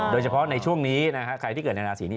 โดยเฉพาะในช่วงนี้นะฮะใครที่เกิดในราศีนี้